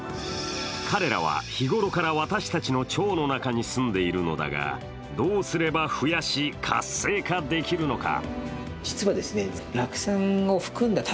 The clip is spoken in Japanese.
彼らは、日ごろから私たちの腸の中に住んでいるのだがどうすれば増やし、活性化できるのか。